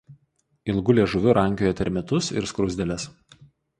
Ilgu liežuviu rankioja termitus ir skruzdėles.